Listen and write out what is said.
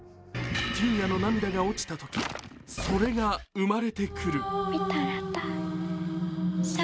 ティンヤの涙が落ちたとき、それが生まれてくる。